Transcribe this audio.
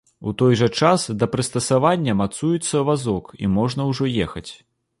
У той жа час, да прыстасавання мацуецца вазок, і можна ўжо ехаць.